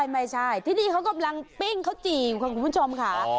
ไม่ใช่ที่นี่เขากำลังปิ้งข้าวจี่อยู่ค่ะคุณผู้ชมค่ะ